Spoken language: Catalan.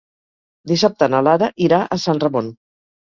Dissabte na Lara irà a Sant Ramon.